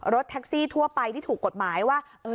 รถแท็กซี่ทั่วไปที่ถูกกฎหมายว่า